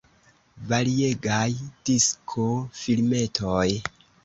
Variegaj disko-filmetoj.